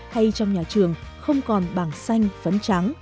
hay trong nhà trường không còn bảng xanh phấn trắng